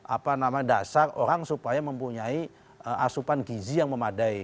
apa nama dasar orang supaya mempunyai asupan gizi yang memadai